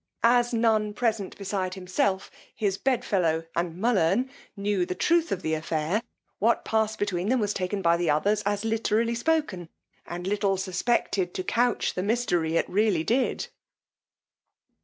As none present besides himself, his bedfellow, and Mullern, knew the truth of this affair, what passed between them was taken by the others as literally spoken, and little suspected to couch the mystery it really did.